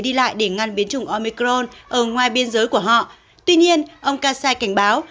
đi lại để ngăn biến chủng omicron ở ngoài biên giới của họ tuy nhiên ông kassai cảnh báo